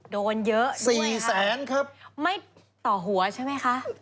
โดนเยอะเลยสี่แสนครับไม่ต่อหัวใช่ไหมคะ